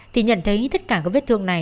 thì nhận thấy tất cả các vết thương này